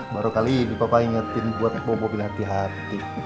baru kali ini bapak ingetin buat mobil mobil hati hati